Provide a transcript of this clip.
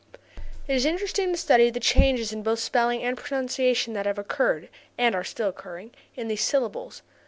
] It is interesting to study the changes in both spelling and pronunciation that have occurred (and are still occurring) in these syllables.